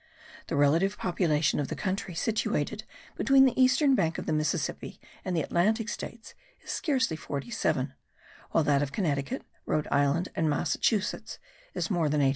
The relative population of the country situated between the eastern bank of the Mississippi and the Atlantic states is scarcely 47; while that of Connecticut, Rhode island, and Massachusetts is more than 800.